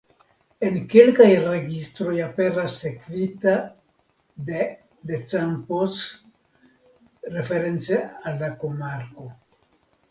En kelkaj registroj aperas sekvita de "de Campos" reference al la komarko.